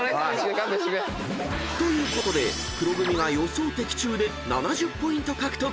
［ということで黒組が予想的中で７０ポイント獲得］